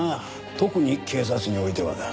特に警察においてはだ。